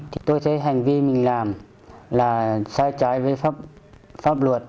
thì tôi thấy hành vi mình làm là sai trái với pháp luật